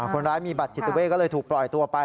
คนร้ายมีบัตรจิตเวทก็เลยถูกปล่อยตัวไป